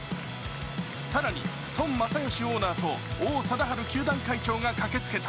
更に孫正義オーナーと王貞治球団会長が駆けつけた。